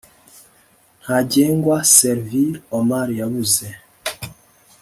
Ntagengwa Servil Omar yabuze